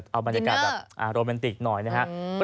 เอาบรรยากาศแบบโรแมนติกหน่อยนะครับ